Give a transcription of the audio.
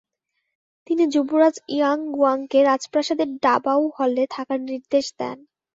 তিনি যুবরাজ ইয়াং গুয়াংকে রাজপ্রাসাদের ডাবাও হলে থাকার নির্দেশ দেন।